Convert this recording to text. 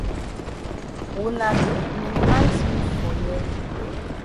Wuna di minimize me for here.